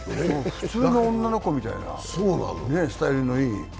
普通の女の子みたいな、スタイルのいい。